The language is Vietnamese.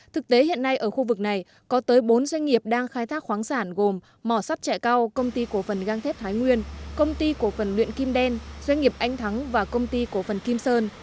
thực tế hiện nay ở khu vực này có tới bốn doanh nghiệp đang khai thác khoáng sản gồm mỏ sắt trại cao công ty cổ phần găng thép thái nguyên công ty cổ phần luyện kim đen doanh nghiệp anh thắng và công ty cổ phần kim sơn